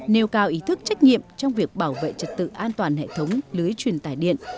nêu cao ý thức trách nhiệm trong việc bảo vệ trật tự an toàn hệ thống lưới truyền tài điện